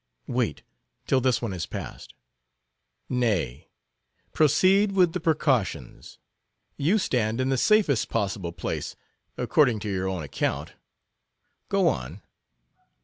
"Wait till this one is passed." "Nay, proceed with the precautions. You stand in the safest possible place according to your own account. Go on."